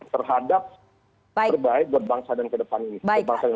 terhadap terbaik buat bangsa dan ke depan ini